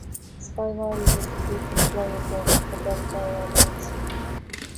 SkyMiles is the frequent flyer program for Delta Air Lines.